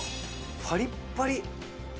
パリッパリ。